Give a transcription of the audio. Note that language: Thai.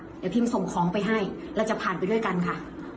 เดี๋ยวพิมพ์ส่งของไปให้เราจะผ่านไปด้วยกันค่ะ